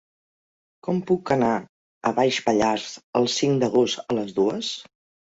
Com puc anar a Baix Pallars el cinc d'agost a les dues?